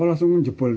oh langsung jebol ya